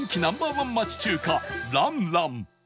１町中華蘭蘭